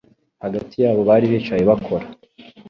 Hagati yabo bari bicaye bakora